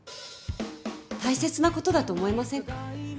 大切なことだと思いませんか？